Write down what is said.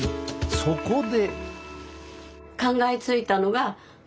そこで。